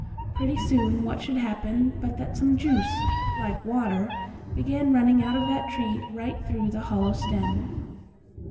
Pretty soon, what should happen but that some juice, like water, began running out of that tree right through the hollow stem.